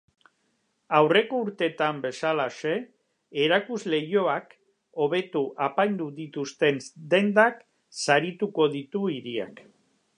Aurreko urteetan bezalaxe, erakusleihoak hobeto apaindu dituzten dendak sarituko ditu hiriak.